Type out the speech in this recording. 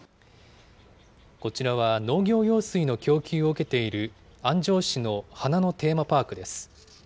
こちらは、農業用水の供給を受けている安城市の花のテーマパークです。